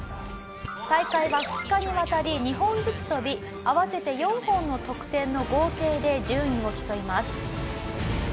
大会は２日にわたり２本ずつ飛び合わせて４本の得点の合計で順位を競います。